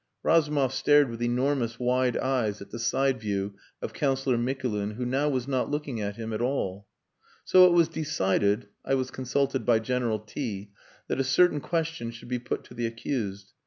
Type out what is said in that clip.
"Razumov stared with enormous wide eyes at the side view of Councillor Mikulin, who now was not looking at him at all. "So it was decided (I was consulted by General T ) that a certain question should be put to the accused.